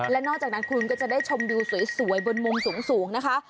และนอกจากนั้นคุณก็จะได้ชมวิวสวยบนมุมสูงนะคะ